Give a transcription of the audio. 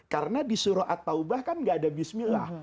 karena di surah at taubah kan tidak ada bismillah